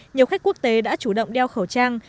nhiều khách quốc tế đã chủ động đeo khẩu trang